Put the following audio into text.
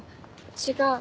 違う。